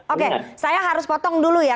oke saya harus potong dulu ya